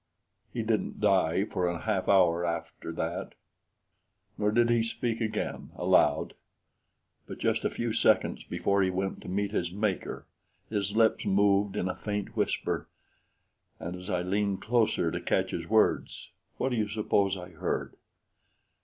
He didn't die for a half hour after that; nor did he speak again aloud; but just a few seconds before he went to meet his Maker, his lips moved in a faint whisper; and as I leaned closer to catch his words, what do you suppose I heard?